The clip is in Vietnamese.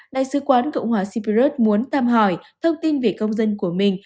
đại sứ quán cộng hòa sipiroth muốn tăm hỏi thông tin về công dân của mình